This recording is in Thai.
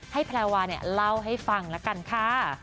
ให้แพรวาเล่าให้ฟังละกันค่ะ